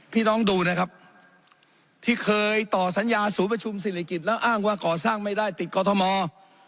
พี่น้องดูนะครับที่เคยต่อสัญญาศูนย์ประชุมศิริกิจแล้วอ้างว่าก่อสร้างไม่ได้ติดกอทม